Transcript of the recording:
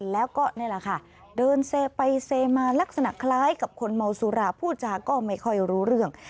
แล้วก็นี่แหละค่ะเดินเซไปเซมาลักษณะคล้ายกับคนเมาสุราพูดจาก็ไม่ค่อยรู้เรื่อง